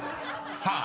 ［さあ